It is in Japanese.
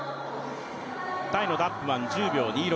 タイのダップバン、１０秒２６